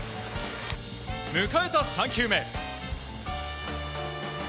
迎えた３球目。